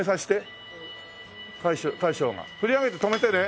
大将が振り上げて止めてね。